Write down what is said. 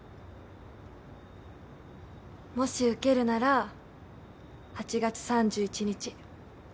もし受けるなら８月３１日。